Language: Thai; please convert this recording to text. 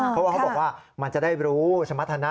เขาบอกว่ามันจะได้รู้สมรรถนะ